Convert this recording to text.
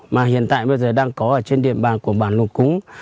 mà hiện tại đang có trên địa bàn của bản lùng cúng